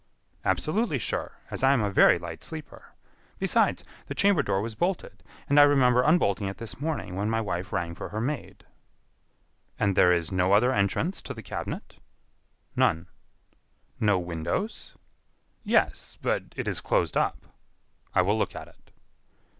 "Absolutely sure, as I am a very light sleeper. Besides, the chamber door was bolted, and I remember unbolting it this morning when my wife rang for her maid." "And there is no other entrance to the cabinet?" "None." "No windows?" "Yes, but it is closed up." "I will look at it."